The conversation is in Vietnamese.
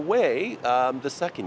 về văn hóa này không